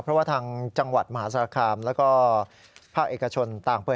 เพราะว่าทางจังหวัดมหาสารคามแล้วก็ภาคเอกชนต่างเปิด